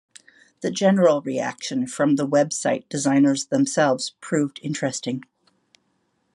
The general reaction from the web site designers themselves proved interesting.